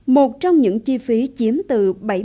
một trong những chi phí chiếm từ